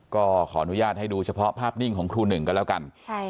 ก็ขออนุญาตให้ดูเฉพาะภาพนิ่งของครูหนึ่งก็แล้วกัน